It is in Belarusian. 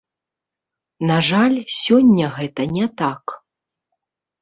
На жаль, сёння гэта не так.